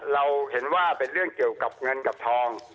เราเห็นว่าเป็นเรื่องเกี่ยวกับเงินกับทอง